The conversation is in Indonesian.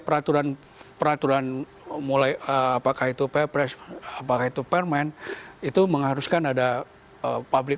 peraturan peraturan mulai apakah itu perpres apakah itu permen itu mengharuskan ada public